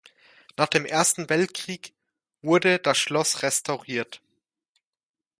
Nach dem Ersten Weltkrieg wurde das Schloss restauriert.